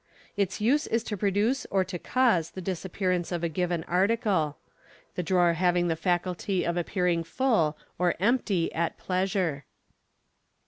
Its use is to produce or to cause the disappear ance of a given article ; the drawer having the faculty of appearing full or empty at pleasure* 344 MODERN MAGIC.